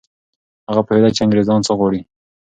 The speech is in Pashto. هغه پوهېده چي انګریزان څه غواړي.